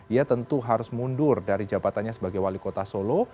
ia tentu harus mundur dari jabatannya sebagai wali kota solo